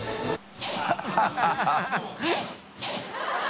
ハハハ